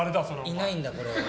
いないんだ、これ。